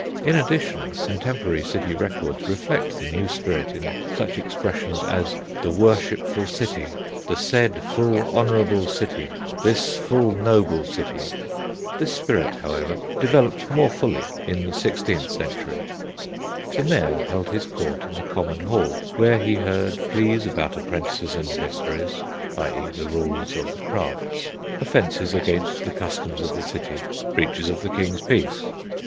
In addition, contemporary city records reflect the new spirit in such expressions as "the worshupful cite," "the said full honourabill cite," "this full nobill city." This spirit, however, developed more fully in the sixteenth century. The Mayor held his court in the Common Hall, where he heard pleas about apprentices and mysteries (i.e. the rules of the crafts); offences against the customs of the city; breaches of the King's peace.